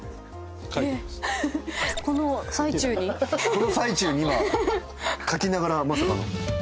この最中に今書きながらまさかの。